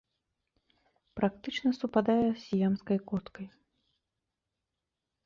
Практычна супадае з сіямскай коткай.